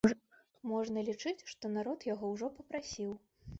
Можна лічыць, што народ яго ўжо папрасіў.